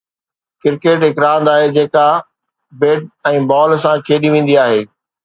cricket هڪ راند آهي جيڪا بيٽ ۽ بال سان کيڏي ويندي آهي